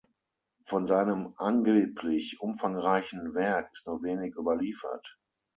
Von seinem angeblich umfangreichen Werk ist nur wenig überliefert.